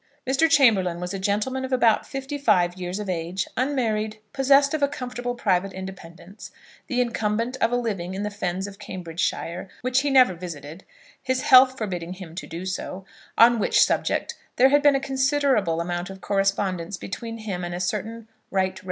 Mr. Chamberlaine was a gentleman of about fifty five years of age, unmarried, possessed of a comfortable private independence, the incumbent of a living in the fens of Cambridgeshire, which he never visited, his health forbidding him to do so, on which subject there had been a considerable amount of correspondence between him and a certain right rev.